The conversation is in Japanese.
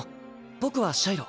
僕はシャイロ。